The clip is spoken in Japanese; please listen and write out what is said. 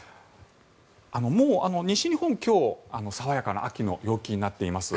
もう西日本、今日爽やかな秋の陽気になっています。